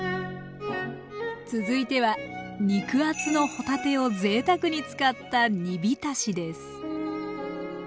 続いては肉厚の帆立てをぜいたくに使った煮びたしです